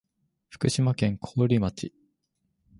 福島県桑折町